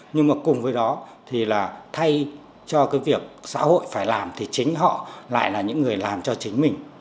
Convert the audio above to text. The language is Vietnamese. nhưng mà cùng với đó thì là thay cho cái việc xã hội phải làm thì chính họ lại là những người làm cho chính mình